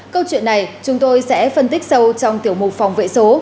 câu chuyện này chúng tôi sẽ phân tích sâu trong tiểu mục phòng vệ số